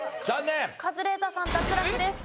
カズレーザーさん脱落です。